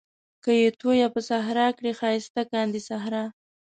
که يې تويې په صحرا کړې ښايسته کاندي صحرا